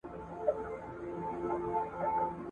په درمل پسي د سترګو یې کتله !.